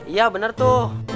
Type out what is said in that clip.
iya bener tuh